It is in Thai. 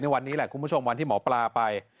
วันนี้แหละคุณผู้ชมวันที่หมอปลาไป